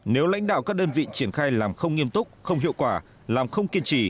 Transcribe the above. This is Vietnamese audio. nếu lãnh đạo các đơn vị triển khai làm không nghiêm túc không hiệu quả làm không kiên trì